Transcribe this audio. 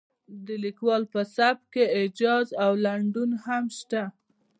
د لیکوال په سبک کې ایجاز او لنډون هم شته.